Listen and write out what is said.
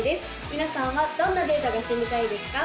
皆さんはどんなデートがしてみたいですか？